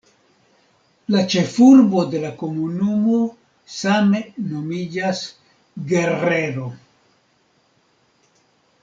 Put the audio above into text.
La ĉefurbo de la komunumo same nomiĝas "Guerrero".